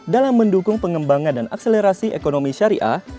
dalam mendukung pengembangan dan akselerasi ekonomi syariah